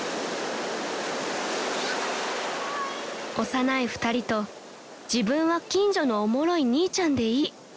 ［幼い２人と「自分は近所のおもろい兄ちゃんでいい」